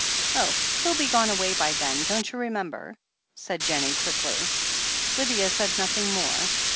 "Oh, he'll be gone away by then, don't you remem ber?" said Jennie quickly. Lydia said nothing more.